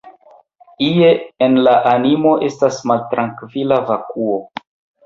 Ie en la animo estas maltrankvila vakuo.